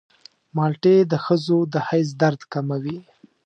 مالټې د ښځو د حیض درد کموي.